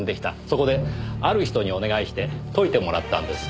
そこである人にお願いして解いてもらったんです。